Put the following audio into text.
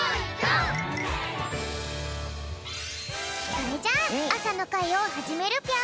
それじゃああさのかいをはじめるぴょん。